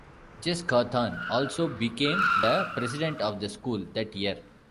Jess Cauthorn also became the President of the school that year.